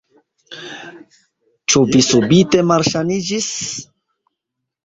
Ĉu vi subite malsaniĝis?